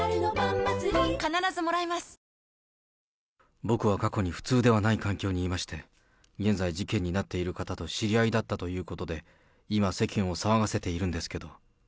僕は過去に、普通ではない環境にいまして、現在、事件になっている方と知り合いだったということで、今、世間を騒がせているんですけど。